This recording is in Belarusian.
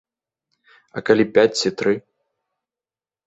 А калі пяць ці тры?